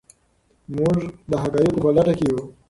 موږ د حقایقو په لټه کې یو.